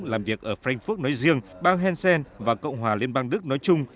làm việc ở frankfurt nói riêng bang hessen và cộng hòa liên bang đức nói chung